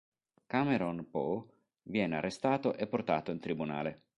Cameron Poe viene arrestato e portato in tribunale.